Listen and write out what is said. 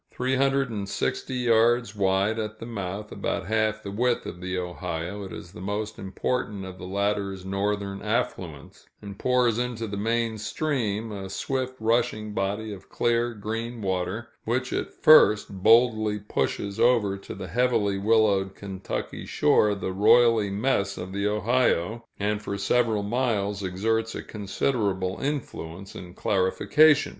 Three hundred and sixty yards wide at the mouth, about half the width of the Ohio, it is the most important of the latter's northern affluents, and pours into the main stream a swift rushing body of clear, green water, which at first boldly pushes over to the heavily willowed Kentucky shore the roily mess of the Ohio, and for several miles exerts a considerable influence in clarification.